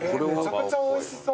めちゃくちゃおいしそう。